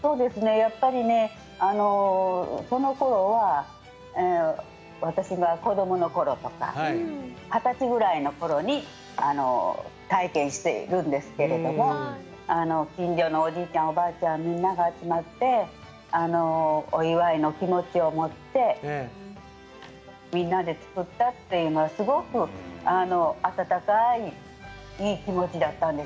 やっぱり、そのころは私が子供のころとか二十歳ぐらいのころに体験しているんですけれども近所のおじいちゃんおばあちゃん、みんなが集まってお祝いの気持ちを持ってみんなで作ったっていうすごく温かいいい気持ちだったんです。